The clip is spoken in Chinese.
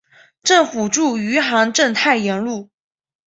政府驻余杭镇太炎路。